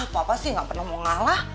papa sih nggak pernah mau ngalah